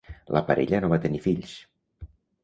La parella no va tenir fills.